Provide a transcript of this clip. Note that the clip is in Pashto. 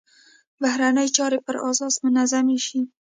بهرنۍ چارې پر اساس منظمې شي.